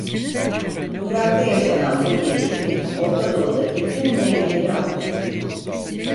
Irak'ta yaşanan bu değişiklik Orta Doğu'daki tüm dengeleri altüst etti.